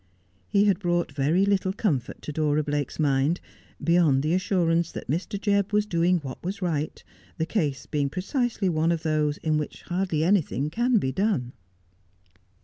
He had brought very little comfort to Dora Blake's mind, beyond the assurance that Mr. Jebb was doing what was right, the case being precisely one of those in which hardly anything can be done.